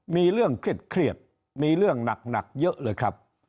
มีเรื่องเครียดมีเรื่องหนักเยอะเลยครับ